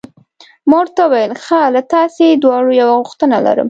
ما ورته وویل: ښه، له تاسي دواړو یوه غوښتنه لرم.